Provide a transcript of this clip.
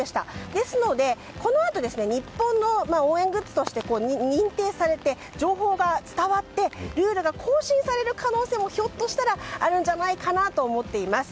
ですので、このあと日本の応援グッズとして認定されて情報が伝わってルールが更新される可能性もひょっとしたらあるんじゃないかと思っています。